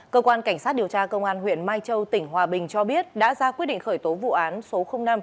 cơ quan cảnh sát điều tra công an huyện mai châu tỉnh hòa bình cho biết đã ra quyết định khởi tố vụ án số năm